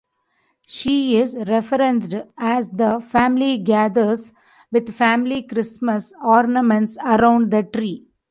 She is referenced as the family gathers with family Christmas ornaments around the tree.